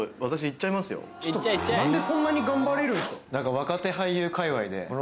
何でそんなに頑張れるんですか？